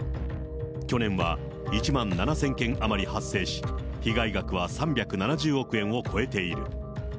去年は１万７０００件余り発生し、被害額は３７０億円を超えている。